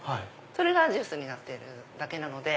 それがジュースになっているだけなので。